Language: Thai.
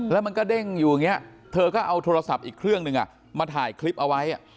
แล้วมันก็เด้งอยู่อย่างนี้เธอก็เอาโทรศัพท์อีกเครื่องหนึ่งมาถ่ายคลิปเอาไว้